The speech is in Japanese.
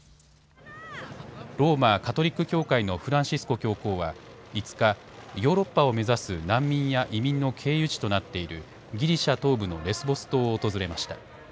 ローマ・カトリック教会のフランシスコ教皇は５日、ヨーロッパを目指す難民や移民の経由地となっているギリシャ東部のレスボス島を訪れました。